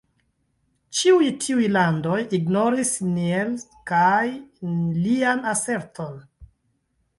Ĉiuj tiuj landoj ignoris Niels kaj lian aserton.